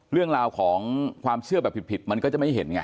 เรื่องราวของความเชื่อแบบผิดมันก็จะไม่เห็นไง